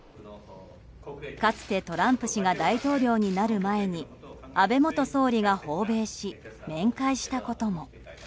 かつてトランプ氏が大統領になる前に安倍元総理が訪米し面会したことも。